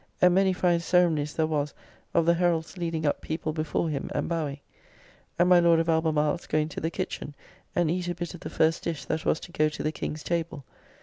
And many fine ceremonies there was of the Heralds leading up people before him, and bowing; and my Lord of Albemarle's going to the kitchin and eat a bit of the first dish that was to go to the King's table.